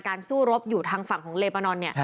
การสู้รบอยู่ทางฝั่งของลมประโลน